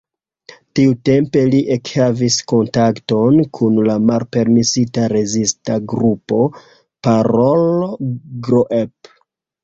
Tiutempe li ekhavis kontakton kun la malpermesita rezista grupo "Parool-groep".